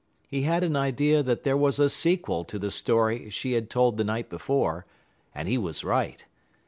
He had an idea that there was a sequel to the story she had told the night before, and he was right.